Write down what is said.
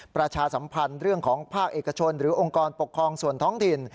ประชาสัมพันธ์เรื่องของภาคเอกชนหรือองค์กรปกครองส่วนท้องถิ่น